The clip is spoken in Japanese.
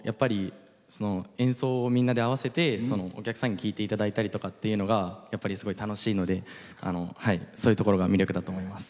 演奏をみんなで合わせてお客さんに聴いていただいたりっていうのがやっぱりすごく楽しいのでそういうところが魅力だと思います。